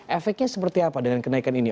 efeknya seperti apa dengan kenaikan ini